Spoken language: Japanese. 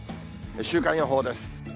週間予報です。